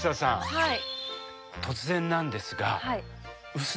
はい。